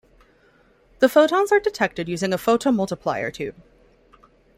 The photons are detected using a photomultiplier tube.